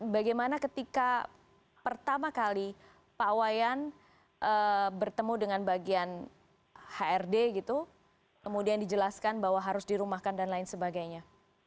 bagaimana ketika pertama kali pak wayan bertemu dengan bagian hrd gitu kemudian dijelaskan bahwa harus dirumahkan dan lain sebagainya